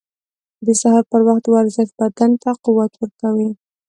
• د سهار پر وخت ورزش بدن ته قوت ورکوي.